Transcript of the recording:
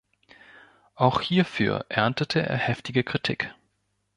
Auch hierfür erntete er heftige Kritik.